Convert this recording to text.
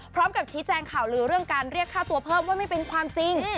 พร้อมกับชี้แจงข่าวลือเรื่องการเรียกค่าตัวเพิ่มว่าไม่เป็นความจริง